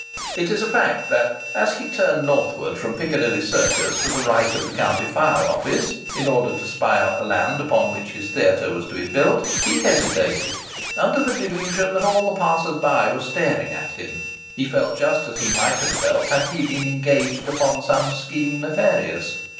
It is a fact that as he turned northwards from Piccadilly Circus, to the right of the County Fire Office, in order to spy out the land upon which his theatre was to be built, he hesitated, under the delusion that all the passers by were staring at him! He felt just as he might have felt had he been engaged upon some scheme nefarious.